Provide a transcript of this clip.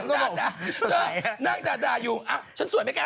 เค้าน่างด่าอยู่อ่ะฉันสวยมั้ยแก